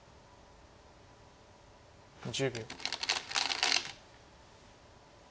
１０秒。